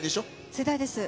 世代です。